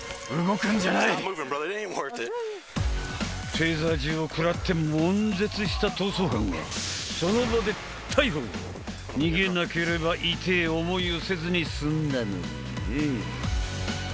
テーザー銃を食らって悶絶した逃走犯はその場で逮捕逃げなければ痛え思いをせずに済んだのにねえ